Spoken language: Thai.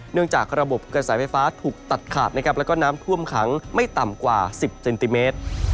จากระบบกระแสไฟฟ้าถูกตัดขาดนะครับแล้วก็น้ำท่วมขังไม่ต่ำกว่า๑๐เซนติเมตร